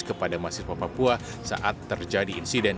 kepada mahasiswa papua saat terjadi insiden